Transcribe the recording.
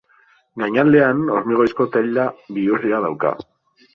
Gainaldean, hormigoizko teila bihurria dauka.